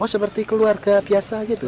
oh seperti keluarga biasa gitu